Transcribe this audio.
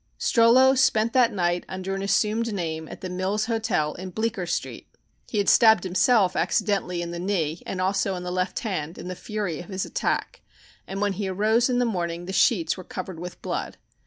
Strollo spent that night, under an assumed name, at the Mills Hotel in Bleecker Street. He had stabbed himself accidentally in the knee and also in the left hand in the fury of his attack, and when he arose in the morning the sheets were covered with blood.